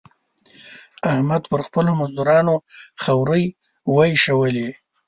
احمد پر خپلو مزدورانو خورۍ واېشولې.